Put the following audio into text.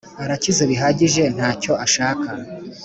arakize bihagije ntacyo ashaka